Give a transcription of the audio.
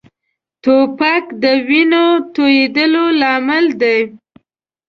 توپک د وینې تویېدو لامل دی.